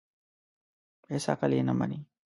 هېڅ عقل یې نه مني.